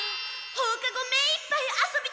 放課後目いっぱい遊びたかった！